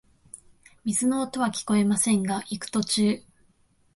水の音はきこえませんが、行く途中、